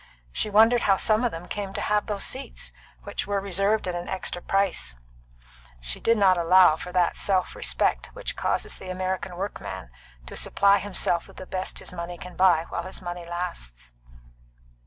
She wondered how some of them came to have those seats, which were reserved at an extra price; she did not allow for that self respect which causes the American workman to supply himself with the best his money can buy while his money lasts.